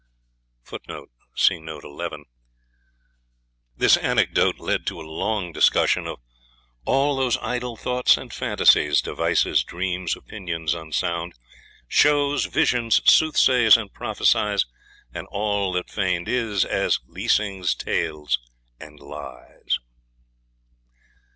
[Footnote: See Note 11] This anecdote led to a long discussion of All those idle thoughts and fantasies, Devices, dreams, opinions unsound, Shows, visions, soothsays, and prophecies, And all that feigned is, as leasings, tales, and lies.